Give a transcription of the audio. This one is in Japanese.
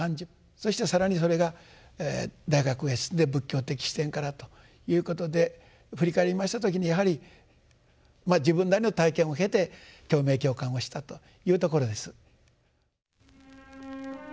そして更にそれが大学へ進んで仏教的視点からということで振り返りました時にやはり自分なりの体験を経て共鳴共感をしたというところです。